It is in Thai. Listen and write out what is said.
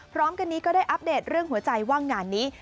พร้อมกันนี้ก็ได้อัปเดตเรื่องหัวใจว่างานนี้